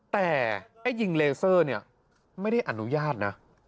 แต่ไอ้ยิงเลเซอร์เนี่ยไม่ได้อนุญาตนะ